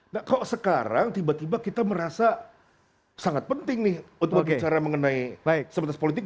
nah kok sekarang tiba tiba kita merasa sangat penting nih untuk berbicara mengenai sebatas politik